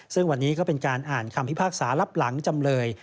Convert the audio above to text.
ซึ่งวันนี้ก็เป็นการอ่านคำพิพากษารับหลังจำเลย